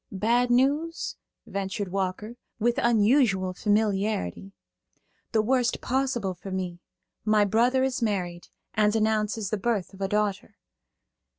"Bad news?" ventured Walker, with unusual familiarity. "The worst possible for me. My brother is married, and announces the birth of a daughter."